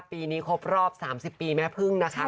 ปีนี้ครบรอบ๓๐ปีแม่พึ่งนะคะ